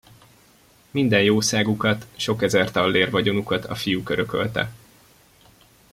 Minden jószágukat, sok ezer tallér vagyonukat a fiuk örökölte.